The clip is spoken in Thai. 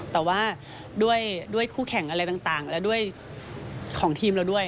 แต่ว่าด้วยคู่แข่งอะไรต่างและด้วยของทีมเราด้วย